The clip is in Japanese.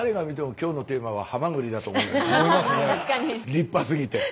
立派すぎて。